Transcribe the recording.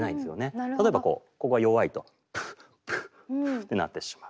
例えばこうここが弱いと。ってなってしまう。